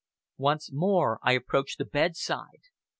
Once more I approached the bedside.